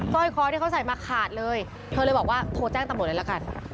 ร้อยคอที่เขาใส่มาขาดเลยเธอเลยบอกว่าโทรแจ้งตำรวจเลยละกัน